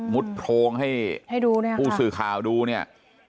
มุดโทงให้ผู้สื่อข่าวดูเนี่ย